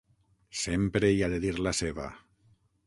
Sempre hi ha de dir la seva!